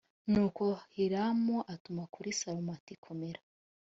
nuko hiramu atuma kuri salomo ati komera